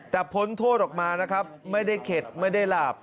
แต่พ้นโทษออกมานะครับไม่ได้เข็ดไม่ได้หลาบ